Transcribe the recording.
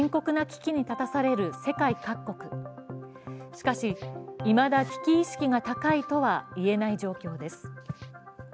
しかし、いまだ危機意識が高いとは言えない状況です。